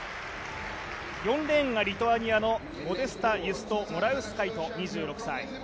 ４レーン、リトアニアのモデスタ・ユスト・モラウスカイト。